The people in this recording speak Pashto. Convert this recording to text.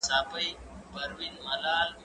زه کتابتوني کار کړي دي!؟